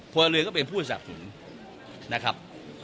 พลเรือนก็เป็นผู้จัดผลนะครับ